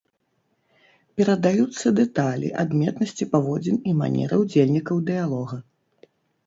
Перадаюцца дэталі, адметнасці паводзін і манеры ўдзельнікаў дыялога.